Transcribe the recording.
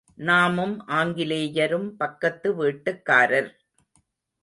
நாமும் ஆங்கிலேயரும் பக்கத்து வீட்டுக்காரர்.